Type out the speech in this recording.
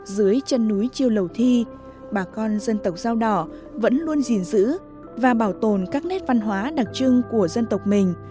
dưới chân núi chiêu lầu thi bà con dân tộc dao đỏ vẫn luôn gìn giữ và bảo tồn các nét văn hóa đặc trưng của dân tộc mình